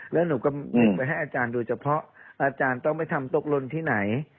แล้วหนูก็เก็บไว้ให้อาจารย์ดูเฉพาะอาจารย์ต้องไปทำตกลนที่ไหน